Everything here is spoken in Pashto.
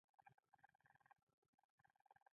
ښه عمل د انسان عزت لوړوي.